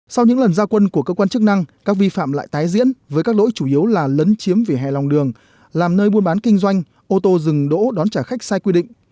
sau những lần gia quân của cơ quan chức năng các vi phạm lại tái diễn với các lỗi chủ yếu là lấn chiếm vỉa hè lòng đường làm nơi buôn bán kinh doanh ô tô dừng đỗ đón trả khách sai quy định